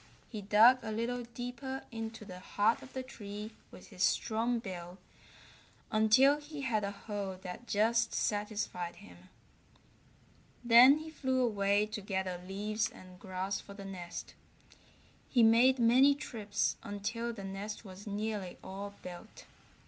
He dug a little deeper into the heart of the tree with his strong bill until he had a hole that just satisfied him. Then he flew away to gather leaves and grass for the nest. He made many trips until the nest was nearly all built.